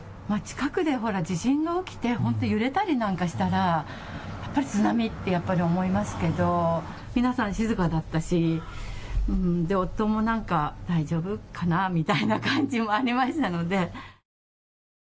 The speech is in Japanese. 近くで地震が起きて揺れたりなんかしたらやっぱり津波ってやっぱり思いますけど皆さん静かだったし夫も何か大丈夫かなみたいな感じもありましたので。